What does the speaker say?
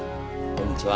こんにちは。